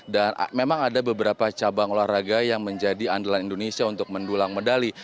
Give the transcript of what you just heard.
dan memang ada beberapa cabang olahraga yang menjadi andalan indonesia untuk mendulang medali